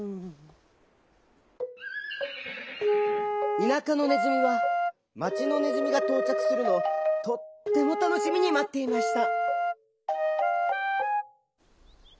田舎のねずみは町のねずみがとうちゃくするのをとってもたのしみにまっていました。